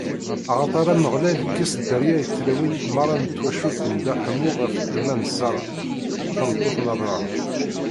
Axaṭer Ameɣlal ikkes dderya i tlawin meṛṛa n twacult n Dda Ḥemmu ɣef ddemma n Ṣara, tameṭṭut n Abṛaham.